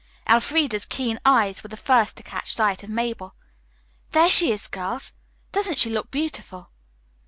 Elfreda's keen eyes were the first to catch sight of Mabel. "There she is, girls! Doesn't she look beautiful?"